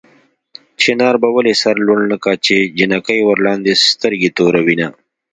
چنار به ولې سر لوړ نه کا چې جنکۍ ورلاندې سترګې توروينه